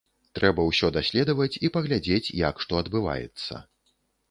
Трэба ўсё даследаваць і паглядзець, як што адбываецца.